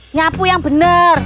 nyapu yang bener